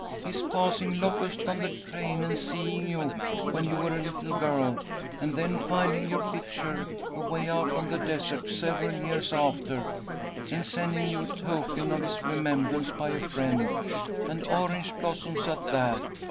"His passing Locust on the train and seeing you when you were a little girl, and then finding your picture away out on the desert several years after, and sending you a token of his remembrance by a friend, and orange blossoms at that!